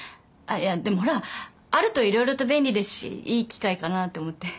でもほらあるといろいろと便利ですしいい機会かなと思って。